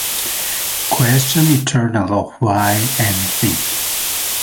Question eternal of why anything.